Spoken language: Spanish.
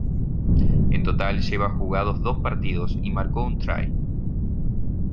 En total lleva jugados dos partidos y marcó un try.